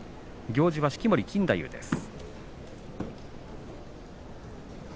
行司は式守錦太夫です。